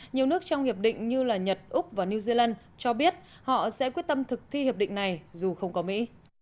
nhiều nước trong hiệp định như là nhật úc và new zealand cho biết họ sẽ quyết tâm thực thi hiệp định này dù không có mỹ